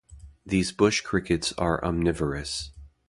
These bush crickets are omnivorous.